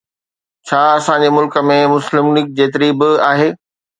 ڇا اسان جي ملڪ ۾ مسلم ليگ جيتري به آهي؟